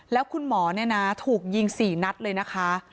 แล้วคุณหมอเนี่ยนะถูกยิง๔นัดเลยนะคะ